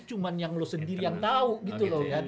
cuma yang lo sendiri yang tau gitu loh